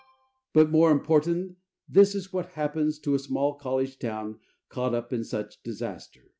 But more important, this is what happens to a small, college town caught up in such disaster.